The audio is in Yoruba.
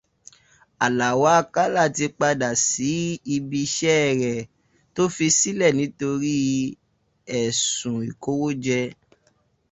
Àlàó Akálà tí padà sí ibiṣé rẹ̀ tó fí sílẹ̀ nítorí ẹ̀sùn ikówójẹ.